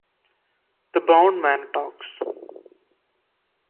The bound man talks.